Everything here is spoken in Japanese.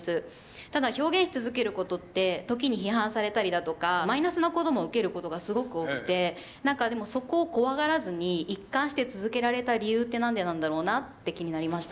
ただ表現し続けることって時に批判されたりだとかマイナスなことも受けることがすごく多くてなんかでもそこを怖がらずに一貫して続けられた理由ってなんでなんだろうなって気になりました。